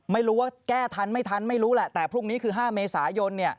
ไม่รู้ว่าแก้ทันไม่ทันไม่รู้แหละแต่พรุ่งนี้คือ๕เมษายน